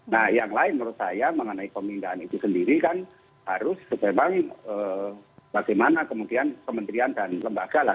nah yang lain menurut saya mengenai pemindahan itu sendiri kan harus memang bagaimana kemudian kementerian dan lembaga lah